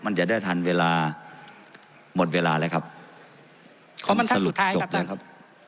มันจะได้ทันเวลาหมดเวลาแล้วครับขอสรุปจบนะครับ